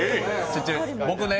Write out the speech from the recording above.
僕ね